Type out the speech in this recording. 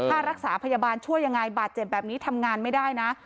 ค่ารักษาพยาบาลช่วยยังไงบาดเจ็บแบบนี้ทำงานไม่ได้นะ